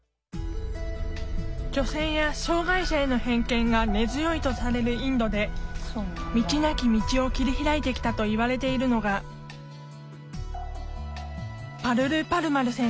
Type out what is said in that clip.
女性や障害者への偏見が根強いとされるインドで道なき道を切り開いてきたといわれているのがパルル・パルマル選手。